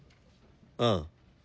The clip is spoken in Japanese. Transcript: ああ。